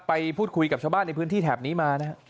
ไปพูดคุยกับชาวบ้านในพื้นที่แถบนี้มานะครับ